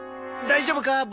大丈夫か？